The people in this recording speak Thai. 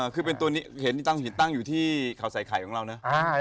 คือเป็นตัวนี้เห็นตั้งอยู่ที่เขาใส่ไข่ของเราเนี่ย